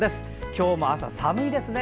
今日も朝、寒いですね。